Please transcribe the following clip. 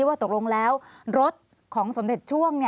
ว่าตกลงแล้วรถของสมเด็จช่วง